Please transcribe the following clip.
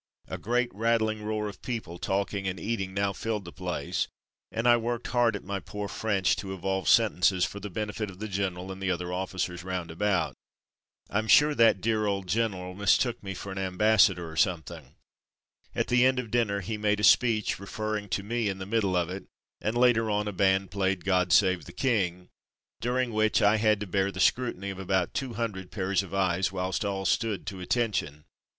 A great rattling roar of people talking and eating now filled the place, and I worked hard at my poor French to evolve sentences for the benefit of the general and the other officers round about. Tm sure that dear old gen 196 From Mud to Mufti eral mistook me for an ambassador or some* thing. At the end of dinner he made a speech, referring to me in the middle of it, and later on a band played "God save the King,'* during which I had to bear the scrutiny of about two hundred pairs of eyes, whilst all stood to attention.